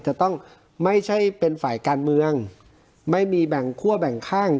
จะต้องไม่ใช่เป็นฝ่ายการเมืองไม่มีแบ่งคั่วแบ่งข้าง